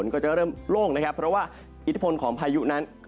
ก็จะเริ่มโล่งนะครับเพราะว่าอิทธิพลของพายุนั้น